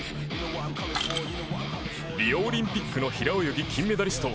リオオリンピックの平泳ぎ金メダリスト